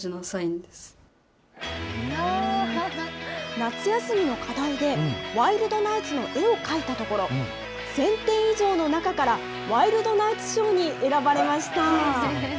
夏休みの課題で、ワイルドナイツの絵を描いたところ、１０００点以上の中からワイルドナイツ賞に選ばれました。